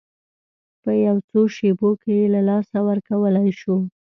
په یو څو شېبو کې یې له لاسه ورکولی شو.